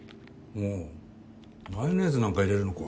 おおマヨネーズなんか入れるのか